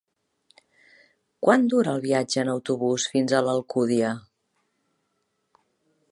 Quant dura el viatge en autobús fins a l'Alcúdia?